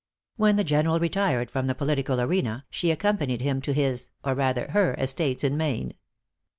When the General retired from the political arena, she accompanied him to his or rather her estates in Maine.